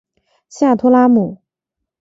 下托拉姆。